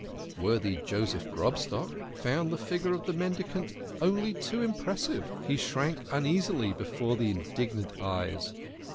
Worthy Joseph Grobstock found the figure of the men dicant only too impressive ; he shrank uneasily before the indignant eyes.